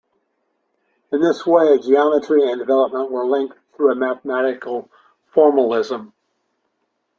In this way, geometry and development were linked through a mathematical formalism.